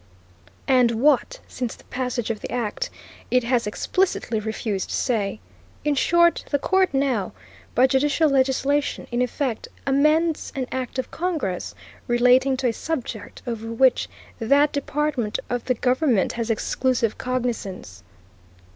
And what, since the passage of the act, it has explicitly refused to say.... In short, the Court now, by judicial legislation, in effect, amends an Act of Congress relating to a subject over which that department of the Government has exclusive cognizance."